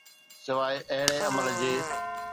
سواءِ اهڙي عمل جي.